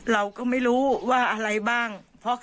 เราก็ไม่รู้ว่าอะไรบ้าง